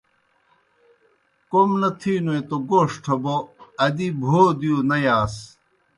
کوْم نہ تِھینوئے توْ گوݜٹھہ بو، ادی بھو دِیؤ نہ یاس۔